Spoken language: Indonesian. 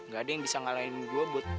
ga ada yang bisa ngalahin gua buat